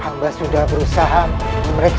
hai abang jadi travers apapun ship